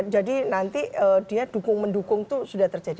jadi nanti dia dukung mendukung itu sudah terjadi